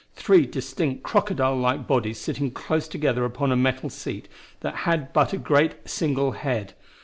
Three distinct crocodile like bodies sitting close together upon a metal seat, that had but a single great head.